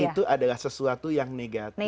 itu adalah sesuatu yang negatif